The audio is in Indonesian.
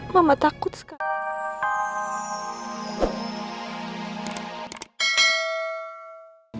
mama takut sekali